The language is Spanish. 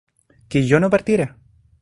¿que yo no partiera?